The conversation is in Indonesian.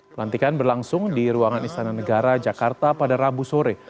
pelantikan berlangsung di ruangan istana negara jakarta pada rabu sore